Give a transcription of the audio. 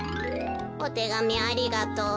「おてがみありがとう。